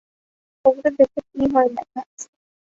কবুতর দেখলে কী হয় লেখা আছে।